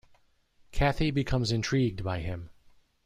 Cathy becomes intrigued by him.